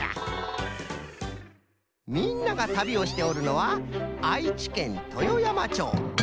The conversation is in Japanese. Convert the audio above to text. みんなが旅をしておるのは愛知県豊山町。